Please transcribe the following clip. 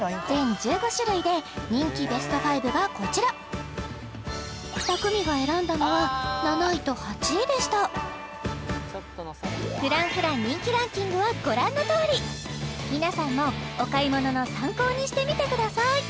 全１５種類で人気ベスト５がこちら２組が選んだのは７位と８位でしたＦｒａｎｃｆｒａｎｃ人気ランキングはご覧のとおり皆さんもお買い物の参考にしてみてください